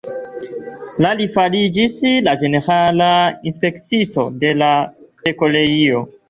La li fariĝis la ĝenerala inspektisto de Koreio.